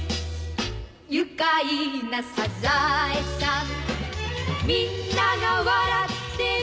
「愉快なサザエさん」「みんなが笑ってる」